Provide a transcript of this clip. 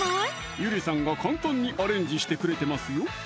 ゆりさんが簡単にアレンジしてくれてますよ！